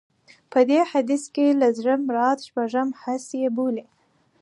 په دې حديث کې له زړه مراد شپږم حس يې بولي.